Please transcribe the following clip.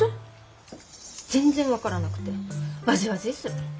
全然分からなくてわじわじーする。